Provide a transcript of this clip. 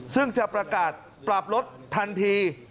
ซึ่งจะประกาศปรับลดทันที